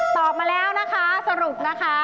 ตอบมาแล้วนะคะสรุปนะคะ